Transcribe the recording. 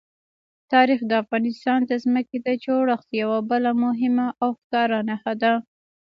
تاریخ د افغانستان د ځمکې د جوړښت یوه بله مهمه او ښکاره نښه ده.